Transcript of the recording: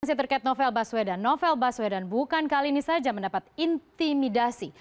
masih terkait novel baswedan novel baswedan bukan kali ini saja mendapat intimidasi